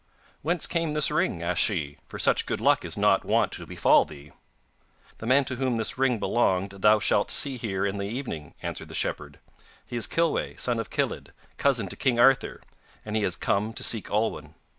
'Whence came this ring?' asked she, 'for such good luck is not wont to befall thee.' 'The man to whom this ring belonged thou shalt see here in the evening,' answered the shepherd; 'he is Kilweh, son of Kilydd, cousin to king Arthur, and he has come to seek Olwen.